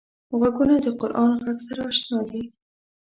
غوږونه د قران غږ سره اشنا دي